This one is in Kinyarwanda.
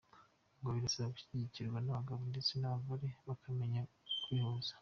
Ngo birasaba gushyigikirwa n’abagabo ndetse n’abagore bakamenya kubihuza.